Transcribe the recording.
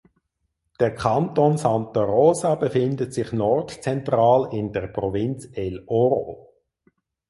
Der Kanton Santa Rosa befindet sich nordzentral in der Provinz El Oro.